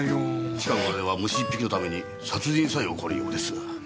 近頃では虫１匹のために殺人さえ起こるようです。